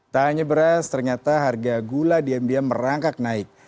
tak hanya beras ternyata harga gula diam diam merangkak naik